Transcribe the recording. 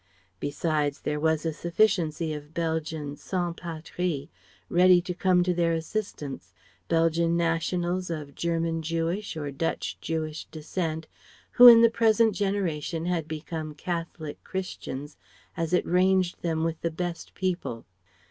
Besides there was a sufficiency of Belgian "Sans Patries" ready to come to their assistance: Belgian nationals of German Jewish or Dutch Jewish descent, who in the present generation had become Catholic Christians as it ranged them with the best people.